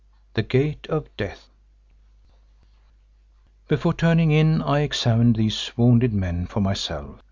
THE GATE OF DEATH Before turning in I examined these wounded men for myself.